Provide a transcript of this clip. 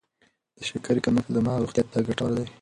د شکرې کمښت د دماغ روغتیا ته ګټور دی.